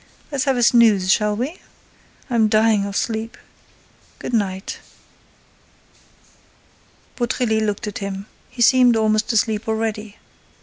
—Let's have a snooze, shall we?—I'm dying of sleep.—Good night." Beautrelet looked at him. He seemed almost asleep already.